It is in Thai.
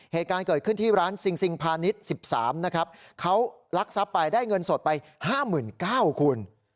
เหตุการณ์เกิดขึ้นที่ร้านซิงซิงพาณิชย์๑๓นะครับเขาลักทรัพย์ไปได้เงินสดไป๕๙๐๐คุณ